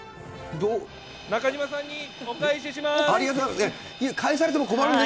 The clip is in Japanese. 中島さんにお返しします。